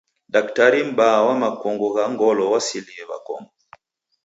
Daktari m'baa wa makongo gha ngolo waselie w'akongo.